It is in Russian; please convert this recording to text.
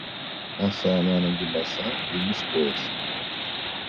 Оса на ноги боса и без пояса.